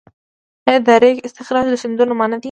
آیا د ریګ استخراج له سیندونو منع دی؟